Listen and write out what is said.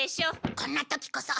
こんな時こそ。